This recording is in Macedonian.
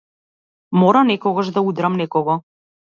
Мора некогаш да удрам некого.